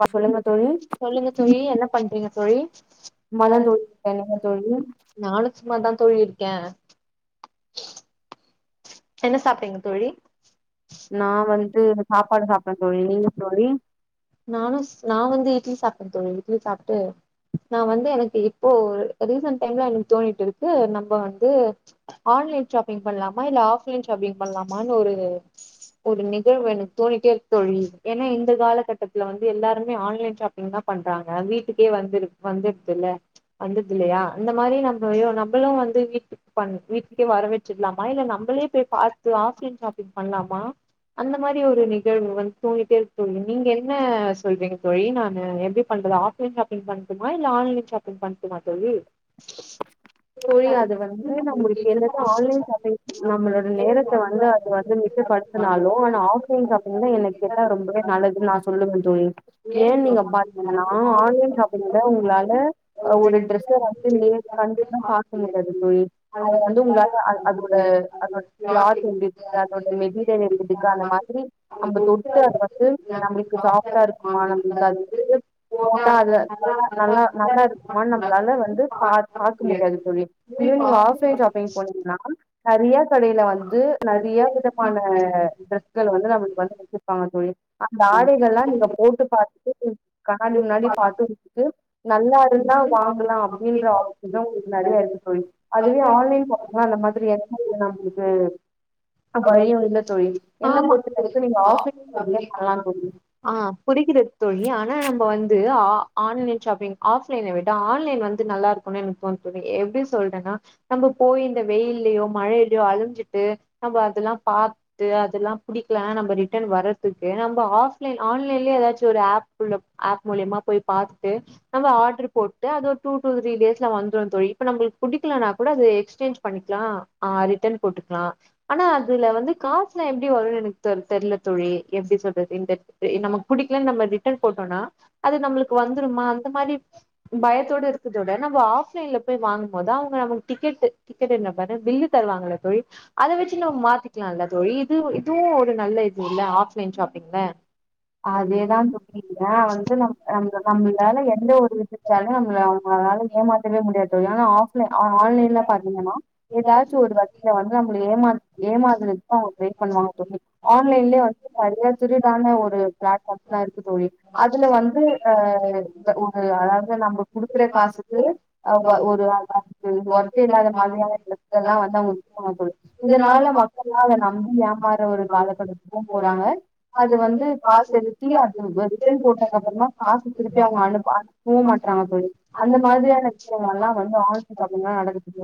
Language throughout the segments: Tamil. பா சொல்லுங்க தோழி சொல்லுங்க தோழி என்ன பண்றீங்க தோழி சும்மாதா தோழி நீங்க தோழி நானும் சும்மாதான் தோழி இருக்கேன் என்ன சாப்பிட்டீங்க தோழி நா ஷு... வந்து சாப்பாடு சாப்ட்டே தோழி நீங்க தோழி நானும் நா வந்து இட்லி சாப் டேன் தோழி இட்லி சாப்ட்டு நான் வந்து எனக்கு இப்போ ரீசன் டைம்ல எனக்கு தோனிட்டிருக்கு நம்ப வந்து ஆன்லைன் ஷாப்பிங் பண்ணலா மா இல்ல ஆப்லைன் ஷாப்பிங் பண்ணலாமான்னு ஒரு ஒரு நிகழ்வு எனக்கு தோணிட்டே இருக்கு தோழி ஏன்னா இந்த காலகட்டத்துல வந்து எல்லாருமே ஆன்லைன் ஷாப்பிங் தான் பண்றாங்க வீட்டுக்கே வந்து வந்துற்துல வந்துற்தில்லையா இந்த மாரி நம்போ நம்பளும் வந்து வீட்க்‌ பன் வீட்டுக்கே வர வச்சிடலாம் மா இல்ல நம்மளே பேய் பாத்து ஆப்லைன் ஷாப்பிங் பண்லாமா அந்த மாரி ஒரு நிகழ்வு வந் தோனிட்டே இருக்கு தோழி நீங்க என்ன சொல்றீங்க தோழி நான்னு எப்டி பண்றது ஆப்லைன் ஷாப்பிங் பண்ட்டுமா இல்ல ஆன்லைன் ஷாப்பிங் பண்ட்டுமா தோழி தோழி அது வந்து நம்மளுக்கு என்னதான் ஆன்லைன் ஷாப்பிங் நம்மளோட நேரத்தை வந்து அது வந்து மிச்சப்படுத்துனாலும் ஆனா ஆப்லைன் ஷாப்பிங் தான் என்ன கேட்டா ரொம்ப நல்லது நான் சொல்ல முடியும் தோழி ஏன் நீங்க பாத்தீங்ன்னா ஆன்லைன் ஷாப்பிங்ல உங்களால ஒரு ட்ரெஸ்ஸ வந்து னு பாக்க முடியாது தோழி அவ வந்து உங்ள [unintelligible] அது து அதோட கிளாத் எப்டிருக்கு அதோட மெட்டீரியல் எப்டிருக்கு அந்த மாதிரி நம்ம தொட்டு அது வந்து நம்ளுக்கு சாஃப்டா இருக்குமா நம்ளுக்கு அது வந்து போட்டா அது நல்லா நல்லா இருக்குமான் நம்ப்ளால வந்து பா பா க்க முடியாது தோழி இதுவே நீங்க ஆஃப்லைன் ஷாப்பிங் போனீங்னா நறையா துணிக்கடைல வந்து நெறைய விதமான ட்ரெஸ்கள வந்து நம்மளுக்கு வந்து வச்சுர்பாங்க தோழி அந்த ஆடைகள்லா நீங்க போட்டு பாத்துட்டு கண்ணாடி முன்னாடி பாத்து முச்சுட்டு நல்லா இருந்தா வாங்கலா அப்டின்ற ஆப் அதா உங்ளுக்கு நெறைய இருக்கு தோழி அதுவே ஆன்லைன் போனீங்னா அந்த மாதிரி எந்த இது நம்ளுக்கு வழியு இல்ல தோழி என்ன பொறுத்த வரைக்கு நீங்க ஆமா ஆஃப்லைன் ஷாப்பிங்கே பண்லா தோழி ஆ கு ஆ ஆன்லைன் ஷாப்பிங் ஆஃப்லைன விட ஆன்லைன் வந்து நல்லா இருக்குன்னு எனக்கு தோனுது தோழி எப்டி சொல்றேன்னா நம்ம போய் இந்த வெயில்லியோ மழை லயோ அலஞ்சிட்டு நம்ப அதல்லா பாத்துட்டு அதல்லா புடிக்லனா நம்ப ரிட்டன் வரத்துக்கு நம்ப ஆஃப்லைன் ஆன்லைன்ல எதாச்சு ஒரு ஆப் குள்ள ஆப் மூலியமா போய் பாத்துட்டு நம்ப ஆட்ரு போட்டு அது ஒரு டூ டூ த்ரீ டேஸ்ல வந்துரு தோழி இப்ப நம்பளுக் புடிக்கலனா கூட அது எக்ஸ்சேஞ்ச் பண்ணிக்லா ஆ ரிட்டன் போட்டுக்லா ஆனா அதுல வந்து காசு னா எப்டி வருன் எனக்கு த தெர்ல தோழி எப்புடி சொல்றது இந்த நமக் புடிக்லன் நம்ம ரிட்டன் போட்டோன்னா அது நம்ளுக்கு வந்துருமா இந்த மாரி பயத்தோடு இருக்கத விட நம்ப ஆஃப்லைன் ல போய் வாங் கும்மோது அவுங்க நமக்கு டிக்கெட்டு டிக்கெட்டுன்றே பாரு பில்லு தருவாங்கள தோழி அத வச்சு நம்ம மாத்திக்லால்ல தோழி இது இதுவு ஒரு நல்ல இதுல்ல ஆஃப்லைன் ஷாப்பிங்ல அதேதா [unintelligible] வந்து நம் நம்ம நம்மளால என் எந்த ஒரு விஷயத்தாலயு நம்ள அவுங்களால ஏமாத்தவே முடியாது ஆனா ஆஃப்ல ஆ ஆன்லைன்ல பாத்தீங்கன்னா எதாச்சு ஒரு வழில வந்து நம்ள ஏமா ஏமாறதுக்கு தா அவுங்க ட்ரை பண்ணுவாங்க தோழி ஆன்லைன்லே வந்து பழைய திருடான ஒரு ஃபேக் ஆப்ஸ்லா இருக்கு தோழி அதுல வந்து ஆ இப்ப ஒ அது அதாவ்து நம்ம குடுக்குற காசுக்கு ஒரு அதுக்கு ஒர்த் இல்லாத மாதிரியான ட்ரெஸ்ஸல்லா வந்து அவுங்க விப்பாங்க தோழி இதுனால மக்கள்லா அத நம்பி ஏமாற ஒரு காலகட்டத்துக்கு போறாங்க அது வந்து பா செலுத்தி அது வ ரிட்டன் போட்டக்கப்பறந்தா காசு திருப்பி அவுங்க அனுப்ப அனுப்பவும் மாட்றாங்க தோழி. அந்த மாதிரியான விஷயங்கள்லாம் வந்து ஆன்லைன் ஷாப்பிங்ல நடக்குது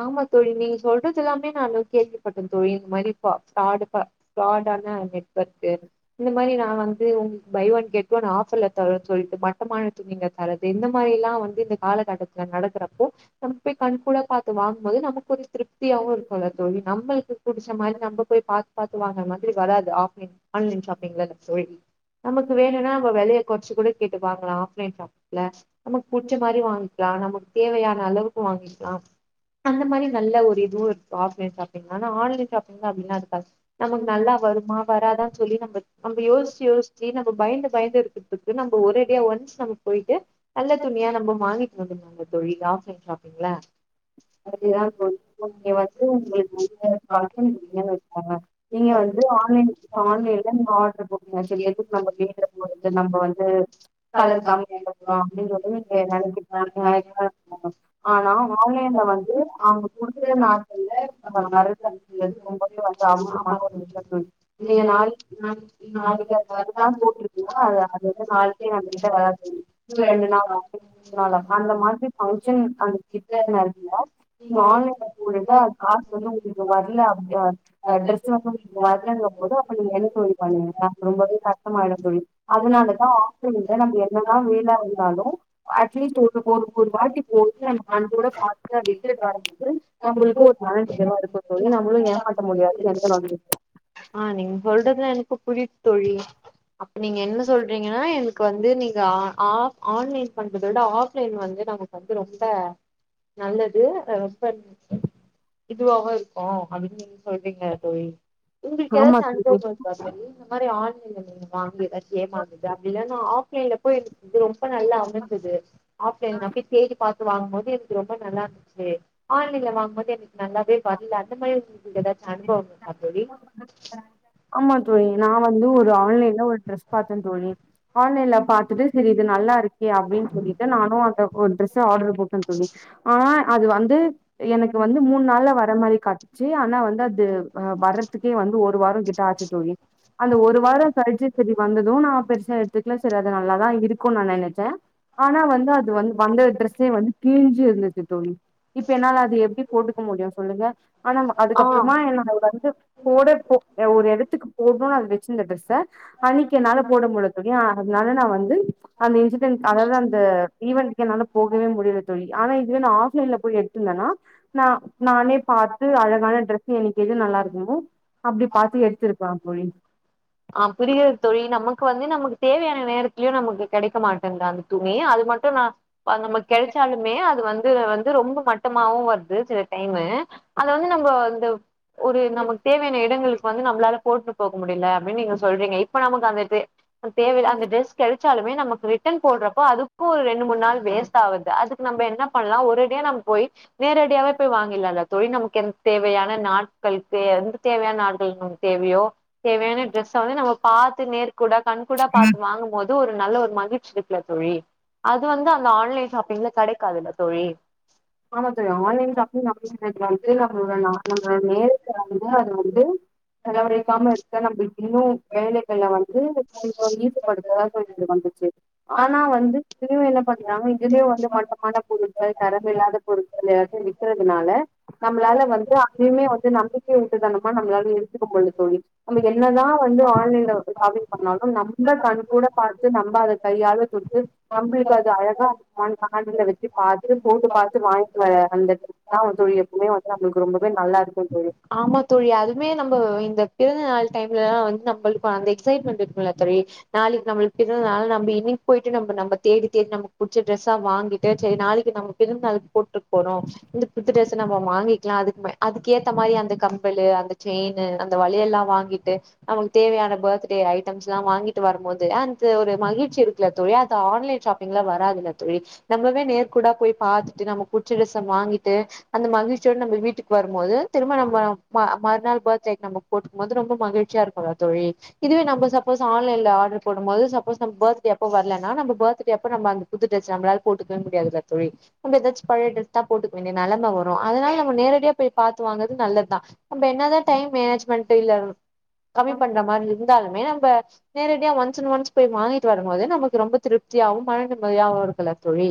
ஆமா தோழி நீங்க சொல்றதுல்லா ப்மே நானு கேள்விப்பட்டே தோழி இந்த மாரி ப ஃப்ராடுப ஃப்ராடான நெ வொர்க்கு இந்த மாரி நா வந்து உங் பை ஒன் கெட் ஒன் ஆஃப்ர்ல தரன் சொல்ட்டு ப்பரமான துணிங்க தரது இந்த மாரி எல்லா வந்து இந்த காலகட்டத்துல நடக்கறப்போ நம்ம போய் கண்கூட பாத்து வாங்குபோது நமக்கு கொஞ்ச திருப்தியாவு இருக்கு இல்ல தோழி நம்மளுக்கு புடிச்ச மாரி நம்ம போய் பாத் பாத்து வாங்குற‌ மாரி வராது ஆன்லைன் ஷாப்பிங்லல்ல தோழி நமக்கு வேணும்னா நம்ம வெலைய கொறச்சு கூட கேட்டு வாங்கலா ஆஃப்லைன் ஷாப்ல நமக்கு புச்ச மாரி வாங்கிக்கலா நம்ப தேவையான அளவுக்கு வாங்கிக்கலாம் அந்த மாரி நல்ல ஒரு இதுவு இருக் ஆஃப்லைன் ஷாப்பிங் ஆன ஆன்லைன் ஷாப்பிங்தா வின்னா இருக்காது நமக்கு நல்லா வருமா வராதான்னு சொல்லி நம்ம நம்ம யோசிச்சி யோசிச்சி நம்ம பயந்து பயந்து இருக்கு த்து நம்ம ஒரே டியே ஒன்ஸ் நம்ம போயிட்டு நல்ல தோழி. துணியா நம்ம வாங்கி இன்னா பண்ணாங்க தோழி ஆஃப்லைன் ஷாப்பிங்ல அதிதா தோழி நீங்க வந்து உங்களுக்கு [unintelligible] பண்ணீங்க வச்சிக்கோங்க நீங்க வந்து ஆன்லைல ஆன்லைன்ல நீங்க ஆடரு போட்டிங்க [unintelligible] எதுக்கு நம்ம வீட்ல போறது நம்ம வந்து கலர் கம்மிய இருக்கு அப்பிடின்றது நீங்க நெனைக்கா ஆனா ஆன்லைன்ல வந் து அவுங்க குடுக்கலான கூட [unintelligible] சே நம்மகிட்ட விளா சொல்லி ரெண்டு நாாளா நாளா அந்த மாரி பங்க்ஷன் அந்த கிட்ட நெருங்கனோ நீ ஆன்லைன் கூடத அது காசு வந்து உங்களுக்கு வரல அப் அ டிரஸ் வந்து உங்களுக்கு வரலங்க போது அப்ப நீங்க என்ன தோழி பண்ணுவிங்க ரொம்பவே கஷ்டமாயிடு தோழி அதனாலதா ம்த நம்ம என்னதா வேல இருந்தாலு அட்லீஸ்ட் ஒரு ஒரு வாட்டி போயிட்டு நம்ம கண்‌ கூட பத்து நடக்குது நம்மளுக்கு ஒரு மனநிறைவா இருக்கு தோழி நம்ளு ஏமாத்த முடியாது எந்த ஆ நீங்க சொல்றதுல எனக்கு புரியுது தோழி அப்ப நீங்க என்ன சொல்றீங்கன்னா எனு க்கு வந்து நீங்க ஆ ஆப் ஆன்லைன் பண்றத விட ஆஃப்லைன் வந்து நமக்கு வந்து ரொம்ப நல்லது ரொம்ப இதுவாவு இருக்கு அப்பிடி சொல்றீங்க தோழி உங்களுக்கு ஆமா ஏதாச்சு தோழி. அனுபவோ இருக்கா தோழி இந்த மாரி ஆன் இல்ல நீங்க வாங்கி ஏதாச்சு ஏமாந்தது அப்பிடில்லன் ஆப்லைன்ல போய் இந்த வருஷம் நல்லா அமஞ்சது ஆப்லைன்ல போய் தேடி பாத் வாங்கும் போது எனக்கு ரொம்ப நல்லா இருந்துச்சு ஆன்லைன்ல வாங்கபோது எனக் நல்லாவே வர்ல அந்த மாரி ஏதாச்சி அனுபவங்கள் கா தோழி ஆமா தோழி நா வந்து ஒரு ஆன்லைன்ல ஒரு ட்ரெஸ் பாத்தேன் தோழி ஆன்லைன்ல பாத்துட்டு சரி இது நல்லா இருக்கே அப்டின்னு சொல்லிட்டு நானும் அந்த ஒரு ட்ரெஸ் ஆர்டர் போட்டேன் தோழி ஆ அது வந்து எனக்கு வந்து மூணு நாள்ல வர மாரி காட்டு ச்சு ஆனா வந்து அது வறதுக்கே வந்து ஒரு வாரம் கிட் ஆச்சு தோழி அந்த ஒரு வாரம் கழிச்சு சரி வந்ததும் நா பெருசா எடுத்துக்கல சரி நல்லாதான் இருக்கும்னு நெனச்சேன் ஆனா வந்து அது வந்து கிழிஞ்சி இருந்துச்சு தோழி இப்ப என்னால அது எப்டி போட்டுக்க முடியும் சொல்லுங்க ஆனா ஆஹ் அதுக்கப்பறமா என்னா நா வந்து போட போ எடுத்துக்க போடணும்னு அது வச்சிருந்த ட்ரெஸ்ச அன்னக்கி என்னால போட முடில தோழி அதனால நா வந்து அந்த இன்சிடென்ட் அதாவது அந்த ஈவெண்ட் என்னால போகவே முடில தோழி ஆனா இதுவே ஆஃப்லைன்ல போய் எடுத்திருந்தேனா நானே பாத்து அழகான டிரெஸ்சு எது நல்லா இருக்குமோ அப்டி பாத்து எடுத்திருக்கலாம் தோழி ஆ புரிகிறது தோழி நமக்கு வந்து நமக்கு தேவையான நேரத்திலயும் நமக்கு கெடைக்க மாட்டேங்குது தோழி அந்த துணி அது மட்டும் நா அது நமக்கு கெடச்சாலுமே அது வந் இது வந்து ரொம்ப மட்டமாவும் வருது சில டைமு அத வந்து நம்ம இந்த ஒரு நமக்கு தேவையான இடங்கள் வந்து நம்மளால போட்டுட்டு போக முடில அப்டின்னு நீங்க சொல்றீங்க இப்ப நமக்கு அந்த தே தேவை அந்த டிரெஸ் கெடை ச்சாலுமே நமக்கு ரிட்டர்ன் போடுறப்போ அதுக்கும் ஒரு ரெண்டு மூணு நாள் வேஸ்ட் ஆவுது அதுக்கு நம்ம என்ன பண்ணலாம் ஒரு டே நம்ம போய் நேரடியாவே போய் வாங்கிறலாம்ல தோழி நமக்கு எந்த தேவையான நாட்களுக்கு எந்த தேவையான நாட்களுக்கு தேவையோ தேவையான டிரஸ் அவனே நம்ம பாத்து நே கூடா கண்கூடா பாத்து வாங்கமோது து ஒரு நல்ல ஒரு மகிழ்ச்சி இருக்குல தோழி அது வந்து அந்த ஆன்லைன் ஷாப்பிங்ல கடைக்காதுல்ல தோழி ஆமா தோழி ஆன்லைன் ஷாப்பிங் [unintelligible] வந்து நம்மளோட ந நம்ப நேரத்த வந்து அது வந்து செலவழிக்காம இருக்க நம்ப இன்னும் வேலைகள்ள வந்து கொஞ்ச ஈடுப்படுத்தா கொஞ்சம் வந்துச்சி ஆனா வந்து டீவில பாத்தினா இங்க இருந்தே வந்து மட்டமான பொருட்கள் தரமில்லாத பொருட்கள் எல்லாத்தையும் விக்கறதுனால நம்மளால வந்து அப்பயுமே வந்து நம்பிக்கை விட்டுதனமா நம்மளாலியு எடுத்துக்க முடில தோழி நம்ப என்னதா வந்து ஆன்லைன்ல ஷாப்பிங் பண்ணாலும் நம்ப கண் கூட பாத்து நம்ப. அத கையாள தொடுத்து நம்பளுக்கு அது அழகா வாங்கி காதுல வச்சி பாத்து போட்டு பாத் து வாங்கிட்டு வர அந்த டிரஸ் தா தோழி எப்பவுமே வந்து நம்பளுக்கு ரொம்பவே நல்லா இருக்கும் தோழி ஆமா டைம்லதா வந்து நம்பளுக்கும் அந்த எக்ஸைட்மெண்ட் இருக்கும் இல்ல தோழி நாளைக்கு நம்பளுக்கு பிறந்தநாள் நம்ப இன்னைக்கு போயிட்டு நம்ப நம்ப தேடி தேடி நமக்கு புடிச்ச டிரஸ்ஸா வாங்கிட்டு செரி நாளைக்கு நம்ம பிறந்தநாளுக்கு போட்டு போனோம் இந்த புது டிரஸ் நம்ம வாங்கிகிலா அதுக் ம அதுக்கேத்த மாரி அந்த கம்பலு அந்த செயின்னு அந்த வளையல்லா வாங்கி ட்டு நமக்கு தேவையான பர்த்டே ஜட்டம்ஸ்லா வாங்கிட்டு வரமோது அந்த ஒரு மகிழ்ச்சி இருக்குல்ல தோழி அது ஆன்லைன் ஷாப்பிங்ல வராதுல்ல தோழி நம்பவே நேர் கூடா போய் பாத்துட்டு நமக்கு புடிச்ச டிரஸ்ஸ வாங்கிட்டு அந்த மகிழ்ச்சியோடு நம்ப வீட்டுக்கு வருமோது திரும்ப நம்ம ம மறுநாள் பர்த்டேக்கு நம்ம போட்டுக்கும் போது ரொம்ப மகிழ்ச்சியா இருக்கும் இல்ல தோழி இதுவே நம்ப சப்போஸ் ஆன்லைன்ல ஆடர் போடுமோது சப்போஸ் நம்ம பர்த்டே அப்போ வரலன்னா நம்ப பர்த்டே அப்ப நம்ம அந்த புது டிரஸ் நம்மளால போட்டுக்கவே முடியாது இல்ல தோழி நம்ப எதாச்சி பழைய டிரஸ் தா போட்டுக்க வேண்டிய நெலம வரும் அதனால நம்ம நேரடியா போயி பாத்து வாங்கறது நல்லதான் நம்ப என்னாதா டைம் மேனேஜ்மென்ட்டு இல்ல கம்மி தோழி பண்ற மாரி இருந்தாலுமே நம்ப நேரடியா ஒன்ஸ் அண்ட் ஒன்ஸ் போய் வாங்கிட்டு வரமோது நமக்கு ரொம்ப திருப்தியாவும் மன நிம்மதியாவும் இருக்குல்ல தோழி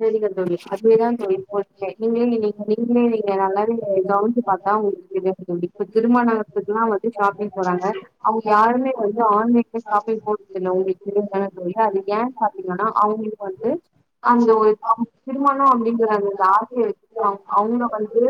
செரிங்க தோழி அதுவேதா தோழி இப்போ நீங்க எதுவுமே நீங்க எதுவுமே நீங்க நல்லாவே கவஞ்சி பாத்தா உங்களுக்கு தெரியும் தோழி இப்ப திருமணத்து இதா அவுங்களுக்கு ஷாப்பிங் போறாங்க அவுங்க யாருமே வந்து ஆன்லைன்ல ஷாப்பிங் போறதில்ல உங்களுக்கு தெரியாதா தோழி அது ஏன் பாத்தீங்கன்னா அவுங்களுக்கு வந்து அந் இந்த ஒரு திருமணம் அப்டிங்கிற அந்த ஆசயை வச்சிட்டு அவு அவுங்க வந்துட்டு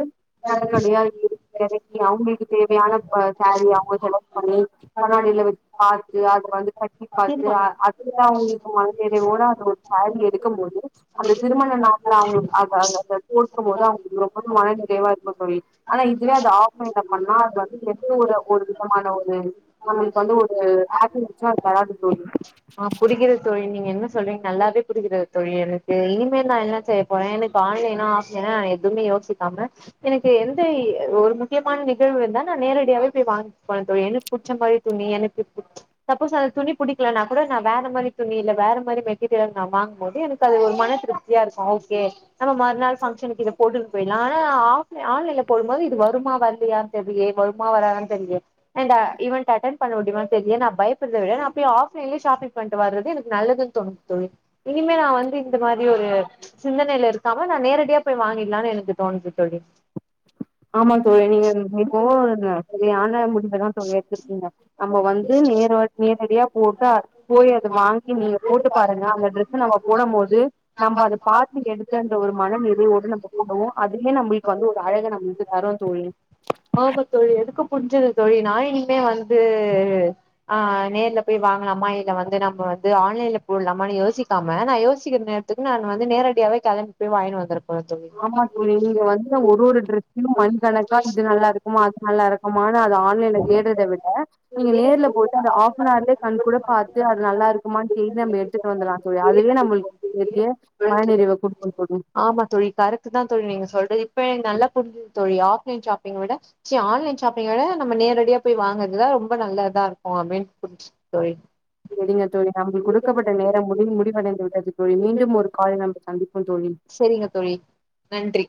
கடக்கடயா ஏறி எறங்கி அவுங்களுக்கு தேவையான இப்ப சேரி அவுங்க செலக்ட் பண்ணி பண்ணாலில பாத்து அத வந்து கட்டி பாத்து அதுதா அவுங்களுக்கு மன நிறைவோட அந்த ஒரு சேரீ எடுக்க முடியாது அந்த திருமண நாட்ள அவுங்க அத அந்த அத போட்டுக்கமோது அவுங்களுக்கு ரொம்பமு மன நிறைவா இருக்கும் தோழி ஆனா இதுவே அது ஆஃப் நீ கட் பண்ணா சூர ஒரு விதமான ஒரு நம்பளுக்கு வந்து ஒரு ஆச்சி வச்சா தளாண்டு போயிரு சொல்றிங்க நல்லாவே புடிக்கிது தோழி எனக்கு இனிமேல் நான் என்ன செய்ய போற எனக்கு ஆன்லைனு ஆசையா தா எதுவுமே யோசிக்காம எனக்கு எந்த ஒரு முக்கியமான நிகழ்வு தா நான் நேரடியாவே போய் வாங் [unintelligible] எனக்கு புச்ச மாரி துணி எனக்கு சப்போஸ் அந்த துணி புடிக்கலனா கூட நான் வேற மாரி துணி இல்ல வேற மாரி மெட்டீரியல் நா வாங்கமோது எனக்கு அது ஒரு மன திருப்தியா இருக்கும் ஓகே நம்ம மறுநாள் பங்க்ஷனுக்கு இத போட்டுன்னு போயிடலாம் ஆனா ஆஃப் ஆன்லைன்ல போடமோது இது வருமா வரலயான்னு தெரிலயே வருமா வராதான்னு தெரிலியே அண்ட இவன்ட் அட்டென் பண்ணுவ இவன்ட்ட ஏனா பயப்படறது அப்பயு ஆஃப்லைன்லே ஷாப்பிங் பண்ணிட்டு வறது எனக்கு நல்லதுன்னு தோணுது தோழி இனிமே நான் வந்து இந்த மாரி ஒரு சிந்தனையில இருக்காம நா நேரடியா போய் வாங்கிடலான்னு எனக்கு தோணுது தோழி ஆமா தோழி நீங்க இப்போ இந்த சரியான முடிவதா தோழி எடுத்துருக்கீங்க நம்ம வந்து நேர நேரடியா போட்டு போயி அத வாங்கி நீங்க போட்டு பாருங்க அந்த ட்ரெஸ் நம்ம போடமோது நம்ப அத பாத்து எடுத்தன்ற ஒரு மன நிறைவோடு நம்ம போடுவோம் அதுமே நம்பளுக்கு வந்து ஒரு அழக நம்ம ந் தரோ தோழி எதுக்கு புஞ்சது தோழி நா இனிமே வந்து ஆ நேர்ல போய் வாங்கலாமா இல்ல வந்து நம்ம வந்து ஆன்லைன்ல போடலாமனு யோசிக்காம நா யோசிக்கிற நேரத்துக்கு நா வந்து நேரடியாவே கெளம்பி போய் வாங்கினு வந்திரு ஆமா தோழி நீங்க வந்து ஒரு ஒரு டிரரெஸ்யு மணி கணக்கா இது நல்லா இருக்குமா அது நல்லா இருக்குமானு அத ஆன்லைன்ல தேடறத விட நீங்க நேர்ல போயிட்டு அந்த ஹாப் நஹர்லியே கண் கூட பாத்து அது நல்லா இருக்குமான்னு தேய் நம்ம எடுத்துட்டு வந்துடலா தோழி அதுவே நம்மளுக்கு தேதே மன நிறைவ குடுக்கு தோழி ஆமா தோழி கரெக்ட் தா தோழி நீங்க சொல்றது இப்ப நல்லா புரிஞ்சது தோழி ஆஃப்லைன் ஷாப்பிங் விட ச்சி ஆன்லைன் ஷாப்பிங்விட நம்ம நேரடியா போய் வாங்கரதுதா ரொம்ப நல்லதா இருக்கு அப்பிடின் புரிஞ் தோழி செரிங்க தோழி நம்மளுக்கு குடுக்கப்பட்ட நேரம் முடி முடிவடைந்து விட்டது தோழி மீண்டும் ஒரு கால் நம்ம சந்திப்போம் தோழி செரிங்க தோழி நன்றி